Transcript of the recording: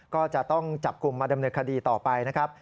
ก็จะต้องจับกลุ่มมาดำเนินคดีต่อไปนะครับ